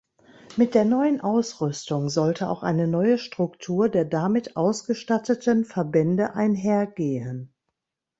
Mit der neuen Ausrüstung sollte auch eine neue Struktur der damit ausgestatteten Verbände einhergehen.